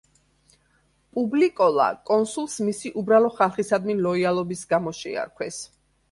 პუბლიკოლა კონსულს მისი უბრალო ხალხისადმი ლოიალობის გამო შეარქვეს.